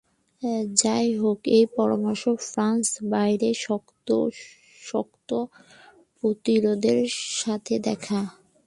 যাইহোক, এই পরামর্শ ফ্রান্স বাইরে শক্ত শক্ত প্রতিরোধের সাথে দেখা।